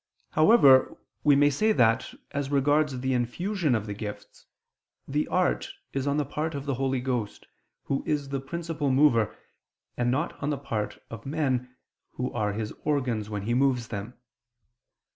However, we may say that, as regards the infusion of the gifts, the art is on the part of the Holy Ghost, Who is the principal mover, and not on the part of men, who are His organs when He moves them.